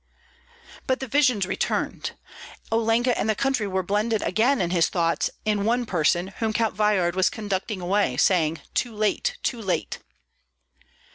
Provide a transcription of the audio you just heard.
But the visions returned, Olenka and the country were blended again in his thoughts in one person whom Count Veyhard was conducting away saying: "Too late, too late!"